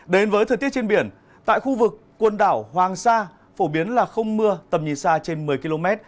đến với thời tiết trên biển tại khu vực quần đảo hoàng sa phổ biến là không mưa tầm nhìn xa trên một mươi km